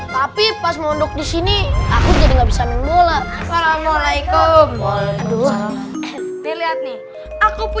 tapi pas mondok disini aku jadi nggak bisa main bola assalamualaikum waalaikumsalam lihat nih aku